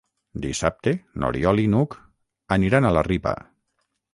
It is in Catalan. Dissabte n'Oriol i n'Hug aniran a la Riba.